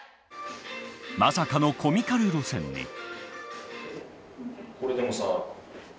まさかのコミカル路線に。